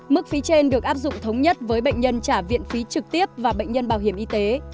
mức phí trên được áp dụng thống nhất với bệnh nhân trả viện phí trực tiếp và bệnh nhân bảo hiểm y tế